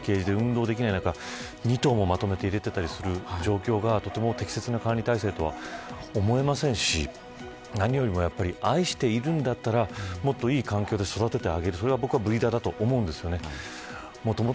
ちっちゃいケージで運動できない中２頭をまとめて入れていたりする状況がとても適切な管理体制とは思いませんし何よりも愛しているんだったらもっといい環境で育ててあげるそれがブリーダーだと思うんです。